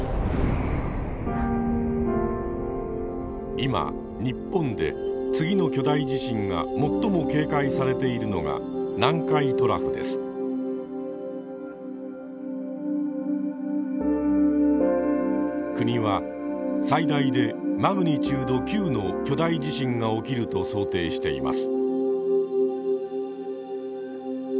今日本で次の巨大地震が最も警戒されているのが国は最大でマグニチュード９の巨大地震が起きると想定しています。